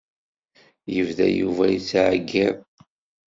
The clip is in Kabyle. Yebda Yuba yettεeyyiḍ.